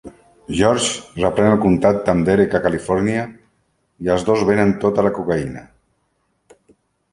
George reprèn el contacte amb Derek a Califòrnia, i els dos venen tota la cocaïna.